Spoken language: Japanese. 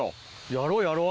やろうやろう。